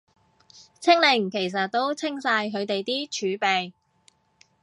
清零其實都清晒佢哋啲儲備